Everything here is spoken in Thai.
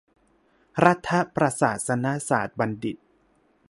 รัฐประศาสนศาตรบัณฑิต